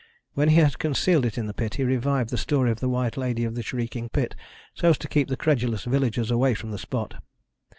When he had concealed it in the pit he revived the story of the White Lady of the Shrieking Pit so as to keep the credulous villagers away from the spot.